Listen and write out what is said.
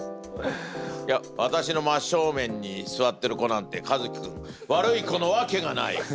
いや私の真っ正面に座ってる子なんてかずき君ワルイコのわけがない。